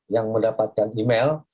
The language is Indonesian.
yang mendapatkan email